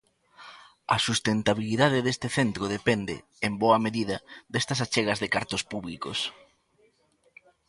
A sustentabilidade deste centro depende, en boa medida, destas achegas de cartos públicos.